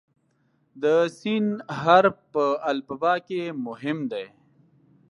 د "س" حرف په الفبا کې مهم دی.